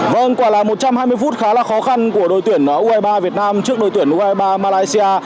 vâng quả là một trăm hai mươi phút khá là khó khăn của đội tuyển u hai mươi ba việt nam trước đội tuyển u hai mươi ba malaysia